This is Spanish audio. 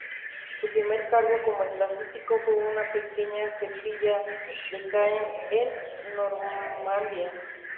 Su primer cargo como eclesiástico fue en una pequeña capilla de Caen, en Normandía.